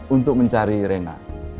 untuk mencari reina